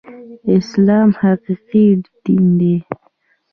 اسلام حقيقي دين دی